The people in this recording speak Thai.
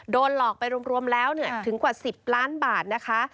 โดนหลอกไปรวมแล้วถึงกว่า๑๐ล้านบาทนะคะ